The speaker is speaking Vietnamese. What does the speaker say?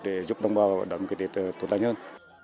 để giúp đồng bào và đồng kỳ tế tốt đáng hơn